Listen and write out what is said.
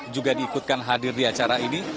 juga diikutkan hadir di acara ini